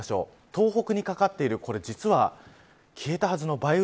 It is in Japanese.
東北にかかっているこれ、実は消えたはずの梅雨